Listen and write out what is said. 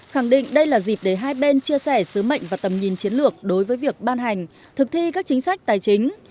khẳng định đây là dịp để hai bên chia sẻ sứ mệnh và tầm nhìn chiến lược đối với việc ban hành thực thi các chính sách tài chính